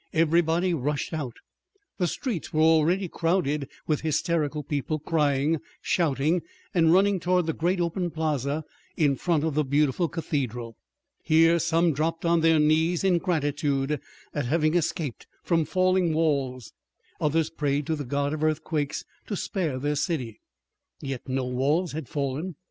Everybody rushed out; the streets were already crowded with hysterical people, crying, shouting, and running toward the great open plaza in front of the beautiful cathedral. Here some dropped on their knees in gratitude at having escaped from falling walls, others prayed to the god of earthquakes to spare their city. Yet no walls had fallen!